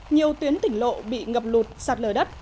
nhiều tuyến tỉnh lộ bị ngập lụt sạt lở đất